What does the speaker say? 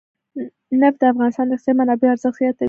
نفت د افغانستان د اقتصادي منابعو ارزښت زیاتوي.